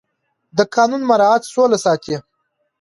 د قانون مراعت سوله ساتي